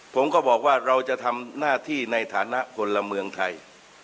ผมก็บอกว่าเราจะทำหน้าที่ในฐานะคนละเมืองไทย